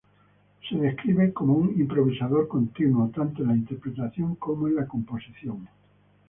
Él se describe como "un improvisador continuo...tanto en la interpretación como en la composición.